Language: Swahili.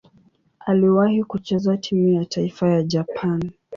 Aliwahi kucheza timu ya taifa ya Japani.